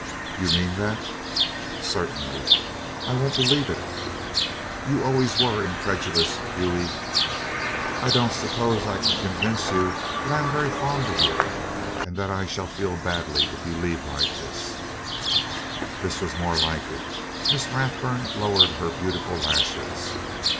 "You mean that?" "Certainly." "I won't believe it." "You always were incredulous, Hughie." "I don't suppose I can convince you that I am very fond of you, and that I shall feel badly if you leave like this?" This was more like it: Miss Rathburn lowered her beautiful lashes.